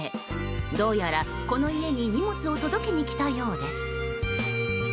どうやら、この家に荷物を届けにきたようです。